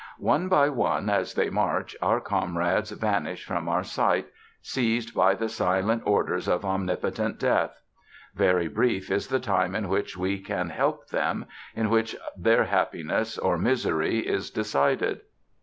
One by one, as they march, our comrades vanish from our sight, seized by the silent orders of omnipotent Death. Very brief is the time in which we can help them, in which their happiness or misery is decided.